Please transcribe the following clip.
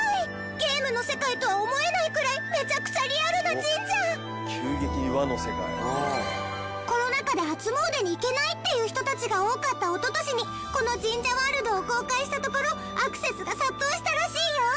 ゲームの世界とは思えないくらい「急激に和の世界」コロナ禍で初詣に行けないっていう人たちが多かったおととしにこの神社ワールドを公開したところアクセスが殺到したらしいよ！